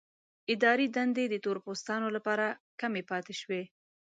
اداري دندې د تور پوستانو لپاره کمې پاتې شوې.